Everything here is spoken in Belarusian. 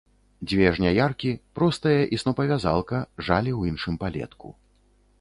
Дзве жняяркі, простая і снопавязалка, жалі ў іншым палетку.